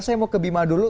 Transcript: saya mau ke bima dulu